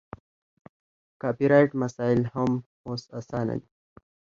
کاپي رایټ مسایل یې هم اوس اسانه دي.